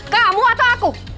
kamu atau aku